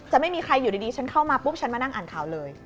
ไม่มีใครอยู่ดีฉันเข้ามาปุ๊บฉันมานั่งอ่านข่าวเลย